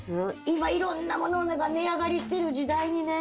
今色んなものが値上がりしてる時代にね